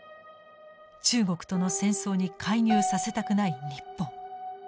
中国との戦争に介入させたくない日本。